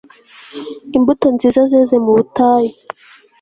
imbuto nziza zeze mu butayu